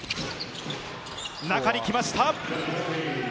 中に行きました。